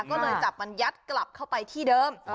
ก็เลยจับมันยัดกลับเข้าไปที่เดิม